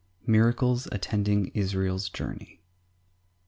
Miracles attending Israel's journey.